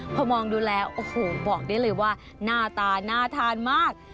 พอมองดูแล้วโอ้โหบอกได้เลยว่าหน้าตาน่าทานมาก